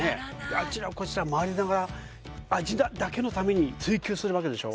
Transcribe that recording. あちらこちら回りながら味だけのために追求するわけでしょ？